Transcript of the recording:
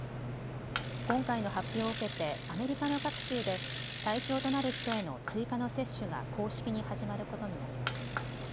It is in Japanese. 今回の発表を受けてアメリカの各州で対象となる人への追加の接種が公式に始まることになります。